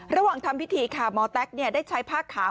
ระหว่างทำพิธีค่ะหมอแต๊กได้ใช้ผ้าขาว